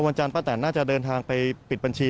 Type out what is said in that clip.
วันจันทร์พระตานน่าจะเดินทางไปปิดบัญชี